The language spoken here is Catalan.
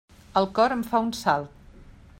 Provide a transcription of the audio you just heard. El cor em fa un salt.